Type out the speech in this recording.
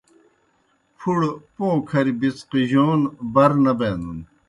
پُھڑہ پوں کھری بِڅقِجَون بر نہ بینَن۔